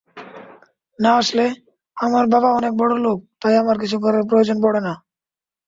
না আসলে, আমার বাবা অনেক বড়লোক তাই আমার কিছু করার প্রয়োজন পড়ে না।